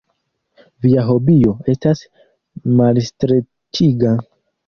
Via hobio estas malstreĉiga.